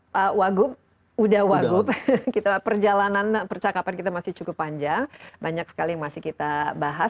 pak wagub udah wagub perjalanan percakapan kita masih cukup panjang banyak sekali yang masih kita bahas